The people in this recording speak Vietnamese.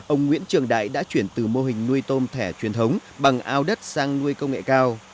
ông nguyễn trường đại đã chuyển từ mô hình nuôi tôm thẻ truyền thống bằng ao đất sang nuôi công nghệ cao